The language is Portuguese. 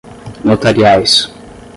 notariais